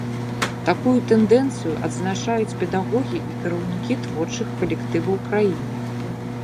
Такую тэндэнцыю адзначаюць педагогі і кіраўнікі творчых калектываў краіны.